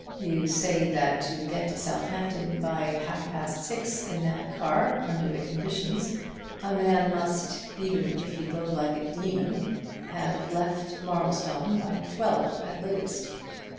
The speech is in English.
You say that to get to Southampton by half past six in that car under the conditions, a man must, even if he drove like a demon, have left Marlstone by twelve at latest.